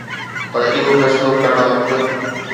پر اهو فيصلو ڪرڻ وقت